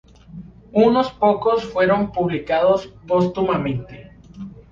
Unos pocos fueron publicados póstumamente.